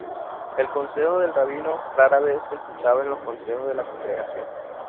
El consejo del rabino rara vez se escuchaba en los consejos de la congregación...